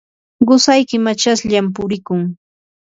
qusayki machashllam purikun.